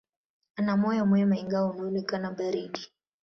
Ana moyo mwema, ingawa unaonekana baridi.